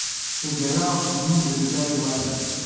Tagara, yezmumeg-d Saɛid Waɛli.